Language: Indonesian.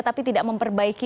tapi tidak memperbaiki